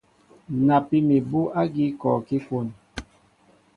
Napí mi abú ágí kɔɔkí kwón.